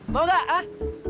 mau nggak ah